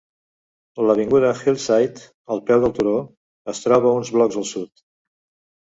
L'avinguda Hillside, al peu del turó, es troba uns blocs al sud.